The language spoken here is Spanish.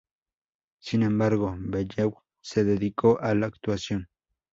Sin embargo, Bellew se dedicó a la actuación.